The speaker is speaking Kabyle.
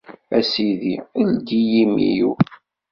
A Sidi! Ldi imi-w.